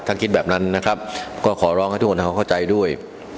ถ้าคิดแบบนั้นนะครับก็ขอร้องให้ทุกคนทำความเข้าใจด้วย